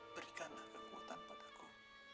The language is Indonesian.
hai berikan kekuatan pada ku